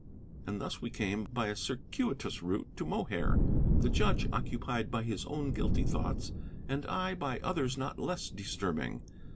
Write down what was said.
And thus we came by a circuitous route to Mohair, the judge occupied by his own guilty thoughts, and I by others not less disturbing.